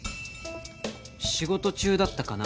「仕事中だったかな？